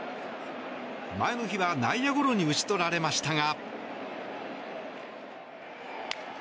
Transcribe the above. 前の日は内野ゴロに打ち取られましたが。